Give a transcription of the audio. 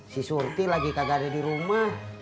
si surti lagi kagak ada di rumah